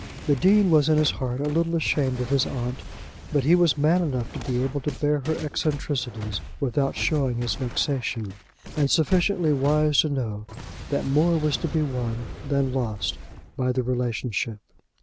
The Dean was in his heart a little ashamed of his aunt; but he was man enough to be able to bear her eccentricities without showing his vexation, and sufficiently wise to know that more was to be won than lost by the relationship.